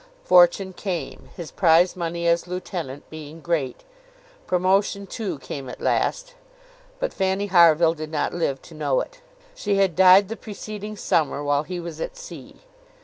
Fortune came, his prize money as lieutenant being great; promotion, too, came at last; but Fanny Harville did not live to know it. She had died the preceding summer while he was at sea.